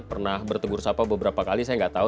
pernah bertegur sapa beberapa kali saya nggak tahu